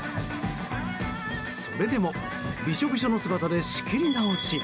それでも、びしょびしょの姿で仕切り直し。